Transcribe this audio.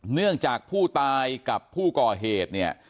เนื่องจากผู้ตายกับผู้ก่อเหตุเนี่ย